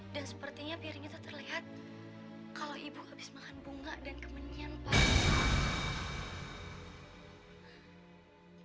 dan sepertinya piring terlihat kalau ibu habis makan bunga dan kemenyan pak